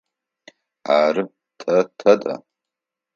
Ары, тэ тэдэ.